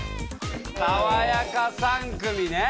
「さわやか３組」ね！